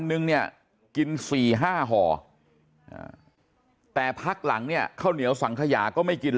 นึงเนี่ยกิน๔๕ห่อแต่พักหลังเนี่ยข้าวเหนียวสังขยาก็ไม่กิน